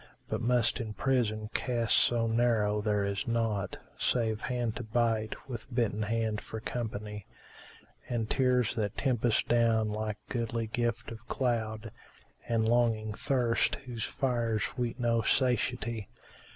But must in prison cast so narrow there is naught * Save hand to bite, with bitten hand for company; And tears that tempest down like goodly gift of cloud, * And longing thirst whose fires weet no satiety.